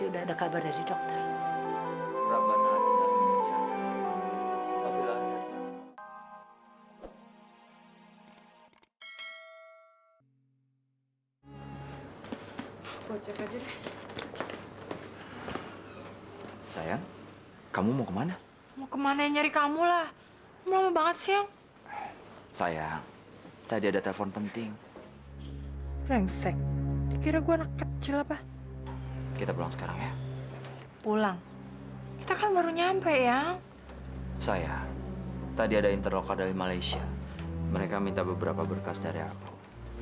dari malaysia mereka minta beberapa berkas dari aku